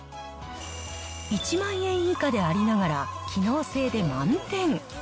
１万円以下でありながら、機能性で満点。